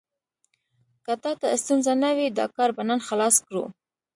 که تا ته ستونزه نه وي، دا کار به نن خلاص کړو.